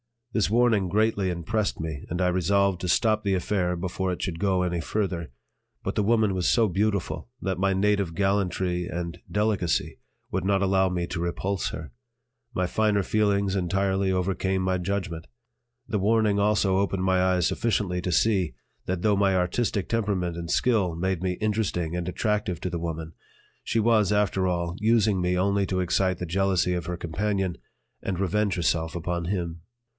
This warning greatly impressed me and I resolved to stop the affair before it should go any further; but the woman was so beautiful that my native gallantry and delicacy would not allow me to repulse her; my finer feelings entirely overcame my judgment. The warning also opened my eyes sufficiently to see that though my artistic temperament and skill made me interesting and attractive to the woman, she was, after all, using me only to excite the jealousy of her companion and revenge herself upon him.